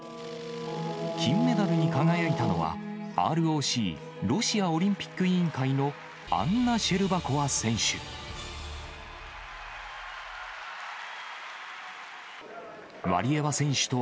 金メダルに輝いたのは、ＲＯＣ・ロシアオリンピック委員会のアンナ・シェルバコワ選手。